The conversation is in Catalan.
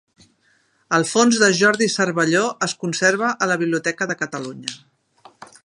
El fons de Jordi Cervelló es conserva a la Biblioteca de Catalunya.